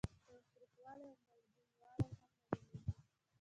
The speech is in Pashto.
تریخوالی او مالګینوالی هم معلوموي.